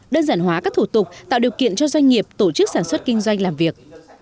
đơn giản hóa các thủ tục tạo điều kiện cho doanh nghiệp tổ chức sản xuất kinh doanh làm việc